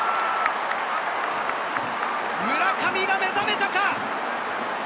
村上が目覚めたか！